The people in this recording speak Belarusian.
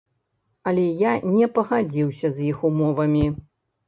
Але я не пагадзіўся з іх умовамі.